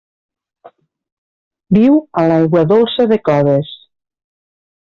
Viu a l'aigua dolça de coves.